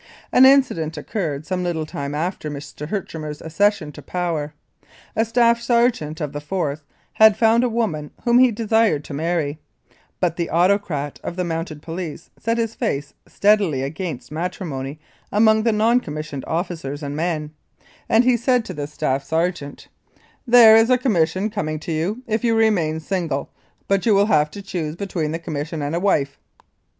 An incident occurred some little time after Mr. Herchmer's accession to power. A staff sergeant of the Force had found a woman whom he desired to marry, but the autocrat of the Mounted Police set his face steadily against matrimony among the non commis sioned officers and men, and he said to the staff So Rebellion Year, 1885. Regina sergeant, "There is a commission coming to you if you remain single, but you will have to choose between the commission and a wife."